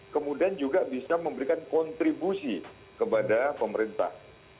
kemudian juga bisa memberikan kontribusi kepada pemerintah